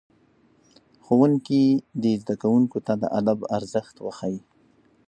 ښوونکي دي زدهکوونکو ته د ادب ارزښت وښيي.